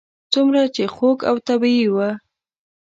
څومره چې خوږ او طبیعي و.